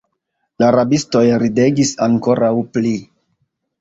La rabistoj ridegis ankoraŭ pli.